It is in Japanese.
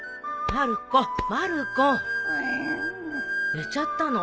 寝ちゃったの？